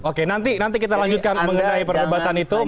oke nanti kita lanjutkan mengenai perdebatan itu